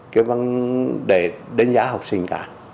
cái vấn đề đánh giá học sinh cả